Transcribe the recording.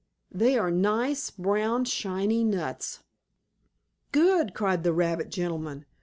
They are nice, brown, shiny nuts." "Good!" cried the rabbit gentleman.